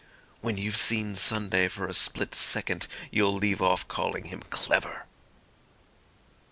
"When you've seen Sunday for a split second you'll leave off calling him clever."